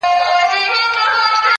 په هر کلي کي یې یو جومات آباد کړ-